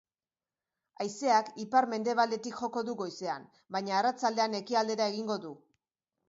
Haizeak ipar-mendebaldetik joko du goizean, baina arratsaldean ekialdera egingo du.